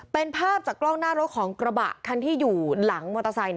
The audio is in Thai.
เป็นภาพจากกล้องหน้ารถของกระบะคันที่อยู่หลังมอเตอร์ไซค์